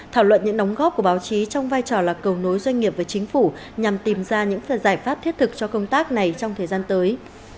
thảo luận những đóng góp của báo chí trong vai trò là cầu nối doanh nghiệp với chính phủ nhằm tìm ra những giải pháp thiết thực cho công tác này trong thời gian tới